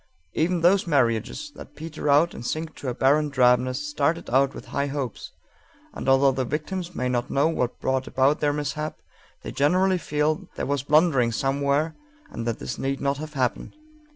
Even those marriages that peter out and sink to a barren drabness started out with high hopes, and, although the victims may not know what brought about their mishap, they generally feel there was blundering somewhere and that this need not have happened.